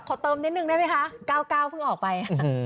เติมนิดนึงได้ไหมคะ๙๙เพิ่งออกไป